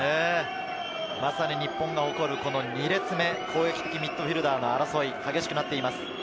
まさに日本が誇る２列目、攻撃的ミッドフィルダーの争い、激しくなっています。